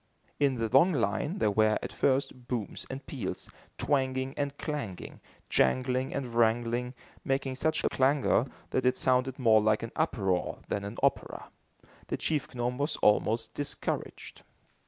In the long line, there were, at first, booms and peals, twanging and clanging, jangling and wrangling, making such a clangor that it sounded more like an uproar than an opera. The chief gnome was almost discouraged.